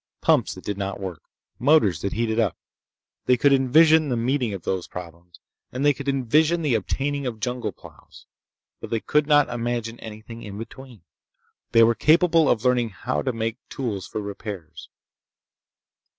Pumps that did not work. Motors that heated up. They could envision the meeting of those problems, and they could envision the obtaining of jungle plows. But they could not imagine anything in between. They were capable of learning how to make tools for repairs.